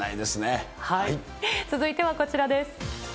続いてはこちらです。